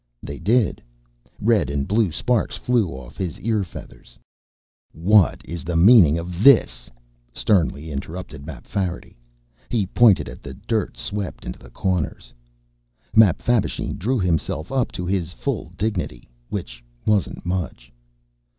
They did. Red and blue sparks flew off his ear feathers. "What is the meaning of this?" sternly interrupted Mapfarity. He pointed at the dirt swept into the corners. Mapfabvisheen drew himself up to his full dignity, which wasn't much.